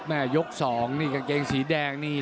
ยก๒นี่กางเกงสีแดงนี่